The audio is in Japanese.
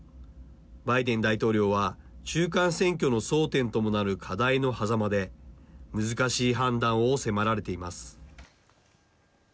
バイデン大統領は中間選挙の争点ともなる課題のはざまで難しい判断を迫られています。